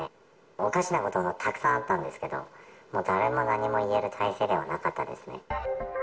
おかしなことはたくさんあったんですけど、もう誰も何も言える体制ではなかったですね。